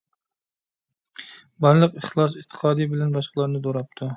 بارلىق ئىخلاس - ئېتىقادى بىلەن باشقىلارنى دوراپتۇ.